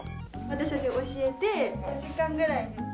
私たちが教えて４時間ぐらいで作る。